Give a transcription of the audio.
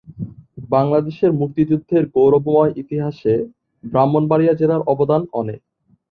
বাংলাদেশের মুক্তিযুদ্ধের গৌরবময় ইতিহাসে ব্রাহ্মণবাড়িয়া জেলার অবদান অনেক।